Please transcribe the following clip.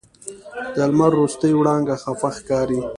د لمر وروستۍ وړانګه خفه ښکاري